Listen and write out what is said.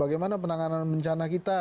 bagaimana penanganan bencana kita